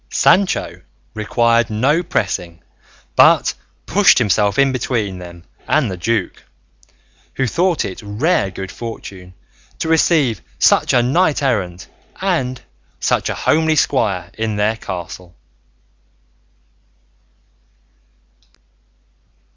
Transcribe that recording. Sancho required no pressing, but pushed himself in between them and the duke, who thought it rare good fortune to receive such a knight errant and such a homely squire in their castle.